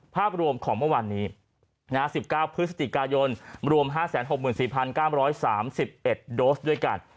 ภาพรวมของเมื่อวันนี้นะฮะสิบเก้าพฤศจิกายนรวมห้าแสนหกหมื่นสี่พันก้ามร้อยสามสิบเอ็ดโดสด้วยกัน